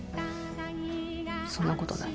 そんなことない。